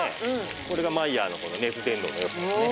これがマイヤーの熱伝導の良さですね。